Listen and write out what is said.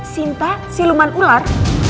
sinta siluman ular